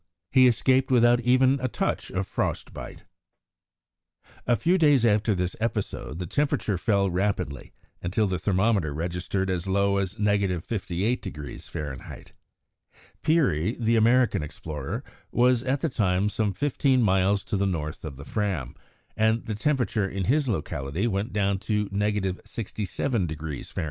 He escaped without even a touch of frost bite. A few days after this episode the temperature fell rapidly, until the thermometer registered as low as 58° Fahr. Peary, the American explorer, was at the time some fifteen miles to the north of the Fram, and the temperature in his locality went down to 67° Fahr.